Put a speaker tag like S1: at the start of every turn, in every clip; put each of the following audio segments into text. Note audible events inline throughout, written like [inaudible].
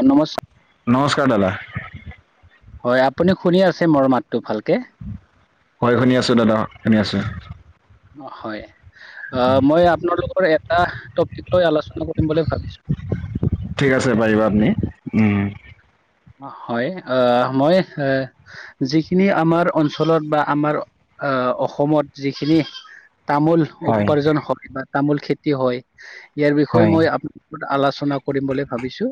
S1: অ নমস্কাৰ
S2: নমস্কাৰ দাদা
S1: হয়ঁ! আপুনি শুনি আছে মোৰ মাতটো ভালকে
S2: হয়ঁ! শুনি আছোঁ দাদা শুনি আছোঁ।
S1: অ হয় অ মই আপোনালোকৰ এটা টপিক লৈ আলোচনা কৰিম বুলি ভাবিছো
S2: ঠিক আছে পাৰিব আপুনি উমঁ!
S1: হয়ঁ আহ মই এ যিখিনি আমাৰ অঞ্চলত বা আমাৰ আহ অসমত যিখিনি তামোল
S2: হয়
S1: উপাৰ্জন হয় বা তামোল খেতি হয় ইয়াৰ বিষয়ে
S2: হয়
S1: মই আপোনাৰ আলোচনা কৰিম বুলি ভাবিছো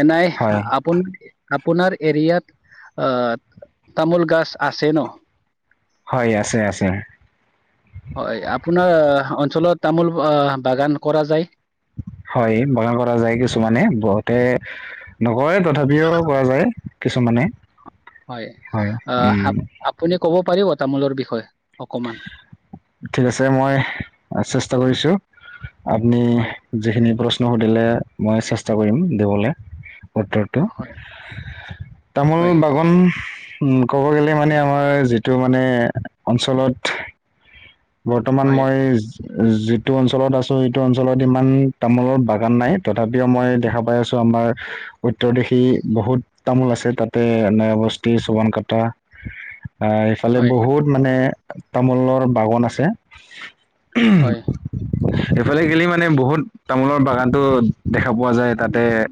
S1: এ নাই
S2: হয়
S1: আপুনি আপোনাৰ এৰিয়াত আহ তামোল গছ আছে ন।
S2: হয়ঁ আছে আছে।
S1: হয়ঁ! আপোনাৰ অঞ্চলত তামোল বাগান কৰা যায়।
S2: হয়ঁ বাগান কৰা যায় কিছুমানে বহুতে নকৰে তথাপিও কৰা যায় কিছুমানে।
S1: হয় আহ আপুনি ক'ব পাৰিব তামোলৰ বিষয়ে অকমান।
S2: ঠিক আছে মই চেষ্টা কৰিছো আপুনি
S1: হয়,
S2: যিখিনি প্ৰশ্ন সুধিলে মই চেষ্টা কৰিম দিবলে। উত্তৰটো,
S1: হয়,
S2: তামোল
S1: হয়,
S2: বাগন ক'ব গ'লে মানে আমাৰ যিটো মানে অঞ্চলত বৰ্তমান
S1: হয়,
S2: মই যিটো অঞ্চলত আছো সটো অঞ্চলত ইমান তামোলৰ বাগান নাই তথাপিও মই দেখা পাই আছো। ত' আমাৰ উত্তৰ দিশি বহুত তামোল আছে, তাতে ন বস্তি চবন কাটা। আহ সেইফালে
S1: হয়,
S2: বহুত মানে তামোলৰ বাগান আছে।
S1: হয়।
S2: সেইফালে গিলি মানে বহুত তামোলৰ বাগানতটো দেখা পোৱা যায় তাতে
S1: উম,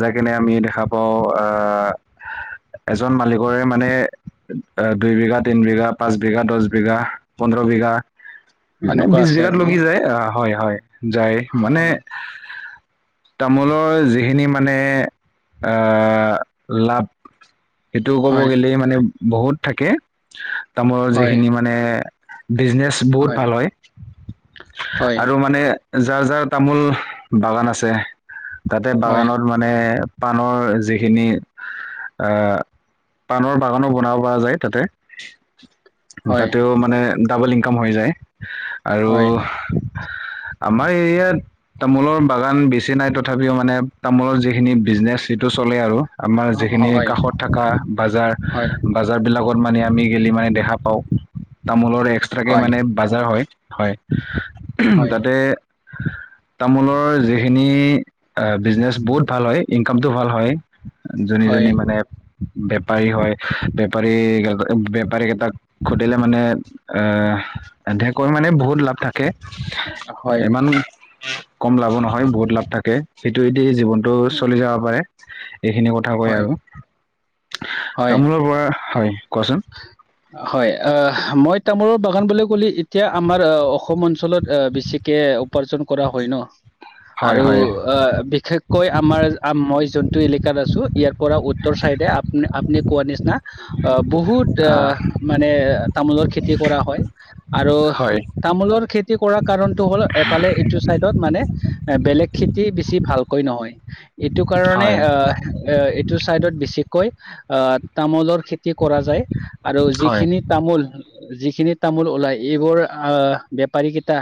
S2: যাই কেনে আমি দেখা পাওঁ আহ এজন মালিকৰে মানে দুই বিঘা তিন বিঘা পাঁচ বিঘা দহ বিঘা। সোতৰ বিঘা মানে
S1: এনেকুৱা
S2: বিশ
S1: আছে
S2: বিঘাত
S1: আৰু ন?
S2: লগি যায় আহ হয় হয় যায় মানে
S1: হয়,
S2: তামোলৰ যিখিনি মানে আহ লাভ সেইটো ক'ব
S1: হয়,
S2: গ'লে মানে বহুত থাকে তামোলৰ
S1: হয়,
S2: যিখিনি মানে বিজনেচ বহুত ভাল হয়।
S1: হয়,
S2: আৰু মানে যাৰ যাৰ তামোল বাগান আছে। তাতে
S1: হয়, হয়,
S2: বাগানত মানে পাণৰ যিখিনি আহ পাণৰ বাগানো বনাব পৰা যায় তাতে,
S1: হয়,
S2: তাতেও ম মানে ডাবল ইনকাম হৈ যায় আৰু
S1: হয়,
S2: আমাৰ এৰিয়াত তামোলৰ বাগান বেছি নাই তথাপিও মানে তামোলৰ যিখিনি বিজনেচ সেইটো চলে আৰু আমাৰ যিখিনি
S1: হয়, হয়,
S2: কাষত থকা বাজাৰ
S1: হয়,
S2: বজাৰবিলাকত মানে আমি গেলি মানে দেখা পাওঁ তামোলৰ এক্সট্ৰাকে
S1: হয়,
S2: মানে বাজাৰ হয় হয়
S1: হয়,
S2: তাতে তামোলৰ যিখিনি বিজনেছ বহুত ভাল হয় ইনকামটো ভাল হয়। যোনী যোনী মানে বেপাৰী হয় বেপাৰী বেপাৰীকেইটাক সুধিলে মানে আহ সিহঁতে কয় মানে বহুত লাভ থাকে।
S1: হয়,
S2: ইমান কম লাভো নহয়, বহুত লাভ থাকে সেইটোদি জীৱন চলি যাব পাৰে এইখিনি কথা কয় আৰু।
S1: হয়,
S2: তামোলৰ পৰা হয় কোৱাচোন।
S1: হয় আহ, মই তামোলৰ বাগান বুলি ক'লে এতিয়া আমাৰ আহ অসম অঞ্চল অঞ্চলত বেছিকে উপাৰ্জন কৰা হয় ন,
S2: হয়
S1: আৰু
S2: হয়
S1: বিশেষ কৈ আমাৰ মই যোনটো এলেকাত আছো ইয়াৰ পৰা উত্তৰ চাইডে আপ আপুনি কোৱা নিচিনা অ বহুত
S2: আহ
S1: মানে তামোলৰ খেতি কৰা হয় আৰু
S2: হয়
S1: তামোলৰ খেতি খেতি কৰা কাৰণটো হ'ল এফালে এইটো চাইডত মানে এ বেলেগ খেতি বেছি ভালকৈ নহয়। এইটো কাৰণে
S2: হয়
S1: আহ এ এইটো চাইডত বেছিকৈ আহ তামোলৰ খেতি কৰা যায় আৰু
S2: হয়
S1: যিখিনি তামোল যিখিনি তামোল ওলায় এইবোৰ আহ বেপাৰী কেইটা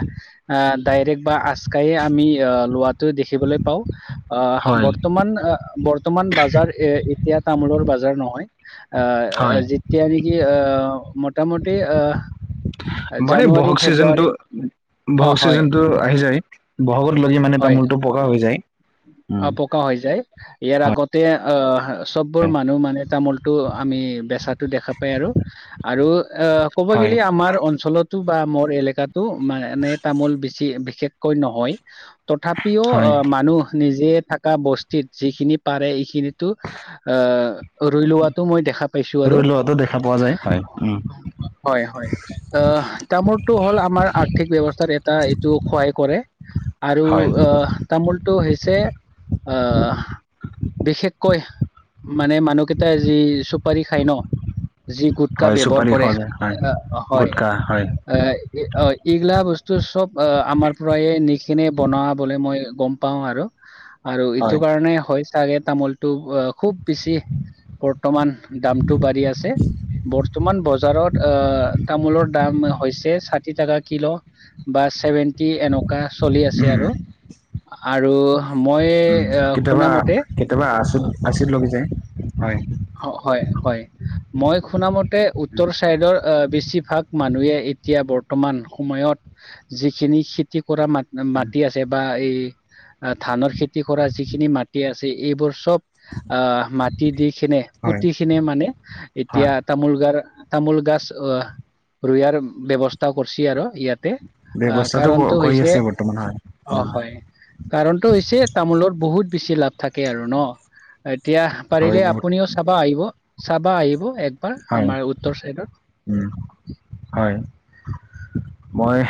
S1: আহ ডাইৰেক্ট বা আচকায়ে আমি আহ লোৱাটো দেখিবলৈ পাওঁ। অৱ
S2: হয়
S1: বৰ্তমান। বৰ্তমান বাজাৰ এ এতিয়া তামোলৰ বাজাৰ নহয়
S2: হয়
S1: আহ যি যেতিয়া নেকি অ মোটামুটি আহ
S2: মানে
S1: জানুৱাৰী
S2: বহক চিজেনতটো
S1: ফেব্ৰুৱাৰী অ
S2: বহাগ
S1: হয়
S2: চিজেনটো আহি যায় বহাগত লগি মানে
S1: হয়
S2: তামোলটো পকা হৈ যায় উম
S1: অ পকা হৈ যায় ইয়াৰ
S2: হয়
S1: আগতে আহ চব বৰ মানুহ মানে তামোলটো আমি বেচাটো দেখা পাই আৰু আৰু আহ ক'ব
S2: হয়
S1: গে'লে আমাৰ অঞ্চলতো বা মৰ এলেকাতটো মানে তামোল বিছ চি বিশেষকৈ নহয় তথাপিও
S2: হয়
S1: আহ মানুহ নিজে থাকা বস্তিত যিখিনি পাৰে এইখিনিতো আহ ৰুই লোৱাটো মই দেখা পাইছো আৰু
S2: ৰৈ লোৱাটো দেখা পোৱা যায় হয় উম
S1: হয় হয় আহ তামোৰটো হ'ল আমাৰ আৰ্থিক ব্যৱস্থাৰ এটা এইটো সহায় কৰে আৰু
S2: হয়
S1: আহ তামোলটো হৈছে আহ বিশেষকৈ মানে মানুহকেইটাই যি চুপাৰী খাই ন যি গোট কা
S2: হয়
S1: বেবৰ
S2: চুপাৰি
S1: কৰে
S2: খোৱা যায় হয়
S1: আহ হয়
S2: গুটকা হয়
S1: আ এ অ এইগিলা বস্তু চব আ আমাৰ পৰায়ে নিকেনে বনোৱা বুলি মই গম পাওঁ আৰু আৰু
S2: হয়
S1: এইটো কাৰণে হয় চাগে তামোলটো অ খুব বেছি বৰ্তমান দামটো বাঢ়ি আছে বৰ্তমান বজাৰত আহ তামোলৰ দাম হৈছে ষাঠি টকা কিলো বা ছেভেণ্টি এনকা চলি আছে
S2: উম
S1: আৰু আৰু মই
S2: উম কেতিয়াবা
S1: শুনামতে
S2: কেতেবা আছো আচি লগ যে হয়
S1: অ হয় হয় মই শুনা মতে উত্তৰ চাইডৰ আ বেছিভাগ মানুহে এতিয়া বৰ্তমান সময়ত যিখিনি শীত তি কৰা মাত মাটি আছে বা এই আ ধানৰ খেতি কৰা যিখিনি মাটি আছে এইবোৰ চব আহ মাটি দিশ খিনে
S2: হয়
S1: পুতি খিনে মানে
S2: হয়
S1: এতিয়া তামোল গাৰ তামোল গাছ আহ ৰুয়াৰ ব্যৱস্থা কৰচে আৰু ইয়াতে আ
S2: ব্যৱস্থাটো
S1: কাৰণটো
S2: কৰি
S1: হৈছে
S2: আছে বৰ্তমান হয়
S1: অ
S2: উম
S1: হয় কাৰণটো হৈছে তামোলৰ বহুত বেছি লাভ থাকে আৰু ন এতিয়াহ
S2: হয়
S1: পাৰিলে
S2: বহুত
S1: কিয় চাবা আহিব চাবা আহিব একবাৰ
S2: হয়
S1: আমাৰ উত্তৰ চাইডত
S2: উম হয় মইহ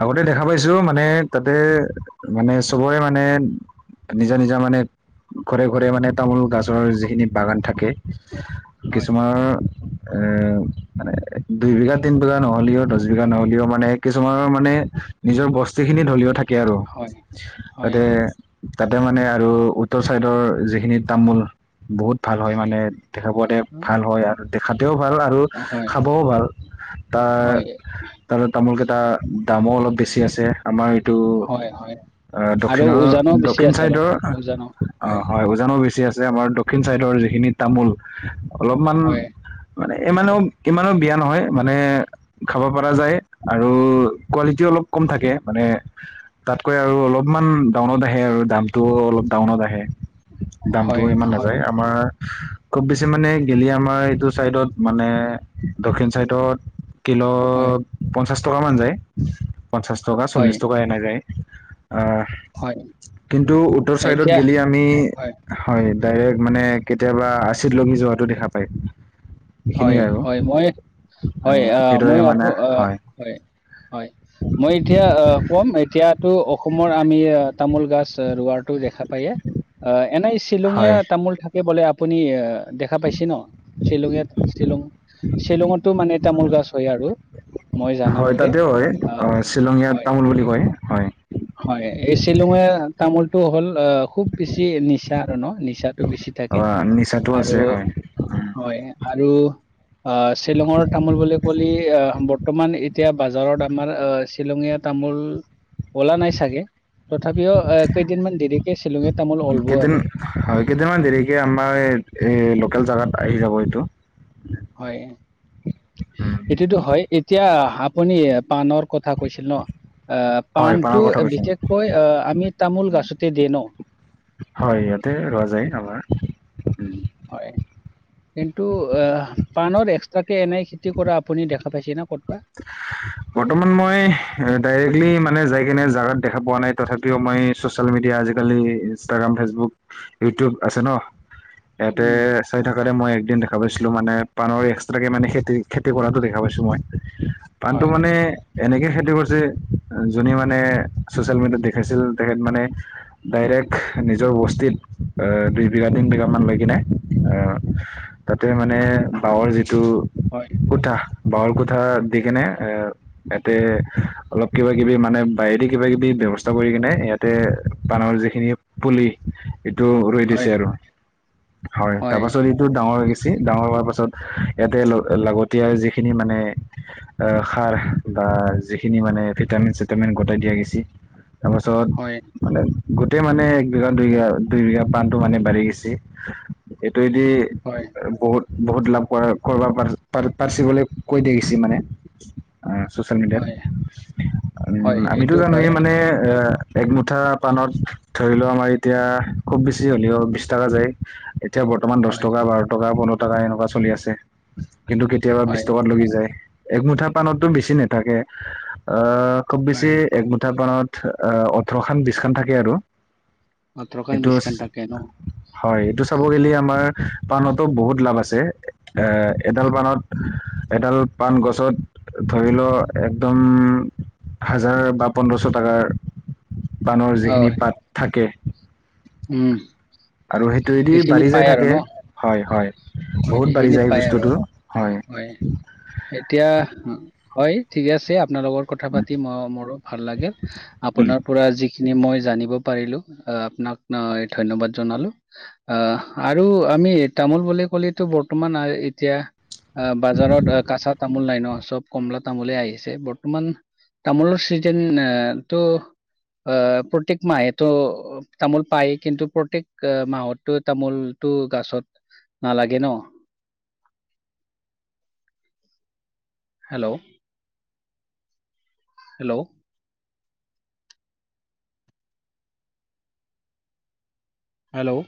S2: আগতে দেখা পাইছো মানে তাতে মানে চবৰে মানে নিজা নিজা মানে ঘৰে ঘৰে মানে তামোল গাছৰ যিখিনি বাগান থাকে
S1: হয়
S2: অহ এ মানে দুই বিঘা তিন বিঘা নহ'লেও দচ বিঘা নহ'লেও মানে এক কিছুমানৰ মানে
S1: উম,
S2: নিজৰ বস্তি খিনি ধলিঅ থাকে আৰু
S1: হয় হয়
S2: তাতে তাতে মানে আৰু উত্তৰ চাইডৰ যিখিনি তামোল বহুত ভাল হয় মানে দেখা পোৱাতে ভাল হয় আৰু দেখাতেও ভাল আৰু
S1: অ হয়
S2: খাবও ভাল
S1: হয়
S2: তাৰ তাৰো তামোলকেইটা দামো অলপ বেছি আছে আমাৰ এইটো
S1: হয় হয়
S2: অ
S1: আৰু
S2: দক্ষিণৰ
S1: উজানো বেছি
S2: দক্ষিণ
S1: আছে অলপ
S2: চাইদৰ
S1: উজানো
S2: অ হয় উজানো বেছি আছে আমাৰ দ ক্ষিণ চাইডৰ যিখিনি তামোল অলপমান
S1: হয়
S2: মানে ইমানো ইমানো বিয়া নহয় মানে খাব পৰা যায় আৰু কোৱালিটি অলপ কম থাকে মানে তাতকৈ আৰু অলপমান ডাউনত আহে আৰু দামতটো অলপ ডাউনত আহে
S1: হয়
S2: দামটো ইমান
S1: হয়
S2: নাযায় আমাৰ খুব বেছি মানে গেলি আমাৰ এইটো ছাইডত মানে দক্ষিণ চাইডত কিল
S1: হয়
S2: পঞ্চাছ টকা মান যায় পঞ্চাছ টকা
S1: হয়
S2: চল্লিছ টকা এনাই যায় অ
S1: হয়
S2: কিন্তু উত্তৰ চাইডত
S1: এতিয়া
S2: গেলি আমি
S1: হয়
S2: হয় ডাইৰেক্ট মানে কেতিয়াবা আচিত লঙি যোৱাটো দেখা পায়
S1: হয়
S2: সেইখিনিয়ে আৰু
S1: হয় মই হয়
S2: আহ সেইদৰে
S1: মই আপু
S2: মানে
S1: হয় হয় মই এতিয়া আহ কম এতিয়াতো অসমৰ আমি তামোল গাছ ৰোৱাটো দেখা পায়ে অ এনেই শ্বিলঙীয়া
S2: হয়
S1: তামোল থাকে বোলে আপুনি এ দেখা পাইছে ন শ্বিলঙীয়া শ্বিলং শ্বিলঙতো মানে তামোল গছ হয় আৰু মই জানা
S2: হয়
S1: মতে।
S2: তাতেও হয় অ শ্বিলঙীয়া
S1: হয়
S2: তামোল বুলি কয় হয়
S1: হয় এই শ্বিলঙিয়া তামোলটো হ'ল অ খুব বেছি নিচা আৰু ন নিচাটো বেছি
S2: অ
S1: থাকে
S2: নিচাটো
S1: আৰু
S2: আছে হয়
S1: হয় আৰু আ শ্বিলঙৰ তামোল বুলি ক'লি আহ বৰ্তমান এতিয়া বজাৰত আমাৰ আহ শ্বিলঙীয়া তামোল অলা নাই চাগে তথাপিও কেইদিনমান দেৰিকে শ্বিলঙিয়া তামোল অলব
S2: কেইদিন
S1: আৰু
S2: হয় কেইটামান দেৰিকে আমাৰ এ লোকেল জোগাত আহি যাব এইটো
S1: হয় সেই টোতো হয় এতিয়া আপুনি পাণৰ কথা কৈছিল ন আ
S2: হয়
S1: পাণটো
S2: পানৰ কথা কৈছো
S1: বিশেষকৈ অ আমি তামোল গাছতে দেও ন
S2: হয় ইয়াতে ৰোৱা যায় আমাৰ
S1: হয় কিন্তু আ পানৰ এক্সট্ৰাকে এনেই খেতি কৰা আপুনি দেখা পাইছে না ক'তবা
S2: [unintelligible] বৰ্তমান মই ডাইৰেক্টলি মানে যাই কেনে জাগাত দেখা পোৱা নাই তথাপিও মই ছ'চিয়েল মিডিয়া আজিকালি ইনষ্টাগ্ৰাম ফেচবুক ইউটিউব আছে ন ইয়াতে
S1: উম
S2: চাই থাকে মই একদিন দেখা পাইছিলো মানে পানৰ এক্সট্ৰাকে মানে খেতি খেতি কৰাটো দেখা পাইছো মই পানটো
S1: হয়
S2: মানে এনেকে খেতি কৰিছে যোনে মানে চচিয়েল মিডিয়াত দেখাইছিল তেখেত মানে ডাইৰেক্ট নিজৰ বস্তিত দুই বিঘা তিনি বিঘামান লৈ কিনে আ তাতে মানে বাৱৰ যিটো
S1: হয়
S2: কোঠা বাহৰ কোঠা দি কেনে এ ইয়াতে অলপ কিবা কিবি মানে বায়ীদি কিবা কিবি ব্যৱস্থা কৰি কিনে ইয়াতে পানৰ যিখিনি পুলি এইটো ৰুই দিছে
S1: হয়
S2: আৰু হয় তাৰ পাছত টো ডাঙৰ হৈ গৈছে ডাঙৰ হোৱাৰ পাছত ইয়াতে লাগতিয়াৰ যিখিনি মানে আহ সাৰ বা যিখিনি মানে ভিটামিন চিটামিন গোটাই দিয়া গৈছি
S1: হয়
S2: তাৰপাছত মানে গোটেই মানে এক বিঘা দুই বিঘা দুই বিঘা পাণটো মানে বাঢ়ি গৈছি এইটোৱে দি
S1: হয়
S2: বহুত বহুত লাভ কৰা কৰিব পাৰে পাৰ পাৰ্চিবোলো কৈ দেগিছি মানে ছ'চিয়েল মিডিয়াত
S1: হয় হয়
S2: আমিতো
S1: এইটো হয়
S2: জানোৱেই মানে এক মুঠা পাণত ধৰি লও আমাৰ এতিয়া খুব বেছি হ'লেও বিশ টকা যায় এতিয়া বৰ্তমান দহ
S1: হয়
S2: টকা বাৰ টকা পোন্ধৰ টকা এনেকুৱা চলি আছে কিন্তু কেতিয়াবা
S1: হয়
S2: বিছ টকাত লগি যায় একমুঠা পানতো বেছি নাথাকে আহ খুব বেছি
S1: হয়
S2: একমুঠা পানত ওঠৰখান বিছখান থাকে আৰু
S1: ওঠৰখন
S2: এইটোচ
S1: বিছখন থাকে ন
S2: হয় এইটো চাব গলে আমাৰ পাণতো বহুত লাভ আছে এ এডাল বানত এডাল পাণ গছত ধৰি ল একদম হাজাৰ বা পন্ধৰশ টাকাৰ বাণৰ যিখিনি
S1: হয়
S2: পাত থাকে
S1: উম
S2: আৰু সেইটোৱেদি
S1: সেইখিনি
S2: বাঢ়ি যাই
S1: পাই আৰু
S2: থাকে
S1: ন।
S2: হয় হয়
S1: হয়
S2: বহুত বাঢ়ি
S1: এইখিনি
S2: যায়
S1: পাই আৰু
S2: বস্তুটো
S1: অ হয়। এতিয়া উ হয়। ঠিকে আছে আপোনাৰ লগত কথা পাতি মই মোৰো ভাল লাগিল,
S2: উম
S1: আপোনাৰ পৰা যি খিনি মই জানিব পাৰিলো, আহ আপোনাক না ধন্যবাদ জনালো। আহ আৰু আমি এ তামোল বুলি ক'লিতো বৰ্তমান আ এতিয়া আ বাজাৰত আ কাচা তামোল নাই ন চব কমলা তামোলে আহিছে, বৰ্তমান তামোলৰ চিজেন এটো আহ প্ৰত্যেক মাহেতো তামোল পায় কিন্তু প্ৰত্যেক মাহতো তামোল তো গাছত নালাগে ন। হেল্ল'? হেল্ল'? হেল্ল'?